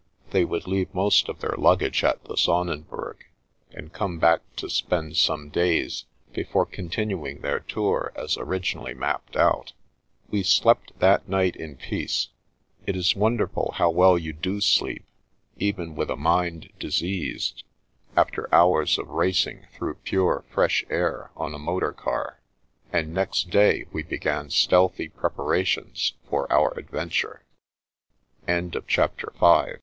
They would leave most of their luggage at the Sonnenberg, and come back In Search of a Mule 6 1 to spend some days, before continuing their tour as originally mapped out. We slept that night in peace (it is wonderful how well you do sleep, even with a " mind diseased," after hours of racing through pure, fresh air on a motor car) ; and next day we began stealthy prep arations for our a